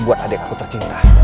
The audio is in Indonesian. buat adik aku tercinta